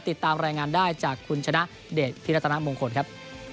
ติดตามรายงานได้จากคุณชนะเดชพิรัตนมงคลครับ